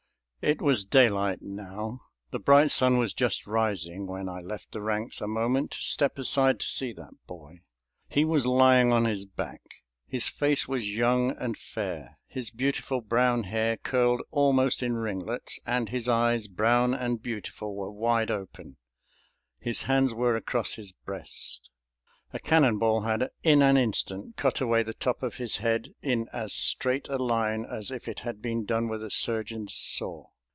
It was daylight now, the bright sun was just rising, when I left the ranks a moment to step aside to see that boy. He was lying on his back. His face was young and fair, his beautiful brown hair curled almost in ringlets, and his eyes, brown and beautiful, were wide open; his hands were across his breast. A cannonball had in an instant cut away the top of his head in as straight a line as if it had been done with a surgeon's saw.